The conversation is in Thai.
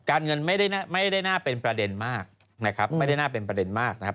เงินไม่ได้น่าเป็นประเด็นมากนะครับไม่ได้น่าเป็นประเด็นมากนะครับ